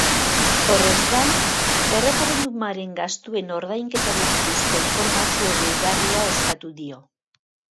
Horrez gain, erreferendumaren gastuen ordainketari buruzko informazio gehigarria eskatu dio.